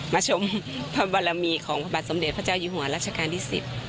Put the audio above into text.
มาชมพระบรมีของพระบาทสมเด็จพระเจ้าอยู่หัวรัชกาลที่๑๐